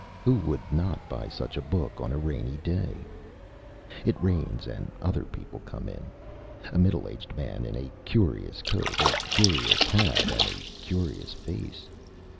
Who would not buy such a book on a rainy day? It rains and other people come in. A middle aged man in a curious coat, a curious hat and a curious face.